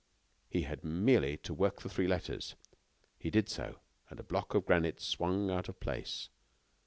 He had merely to work the three letters. He did so, and a block of granite swung out of place.